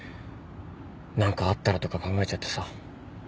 何かあったらとか考えちゃってさ。